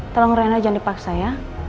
tolong rena jangan dipaksa ya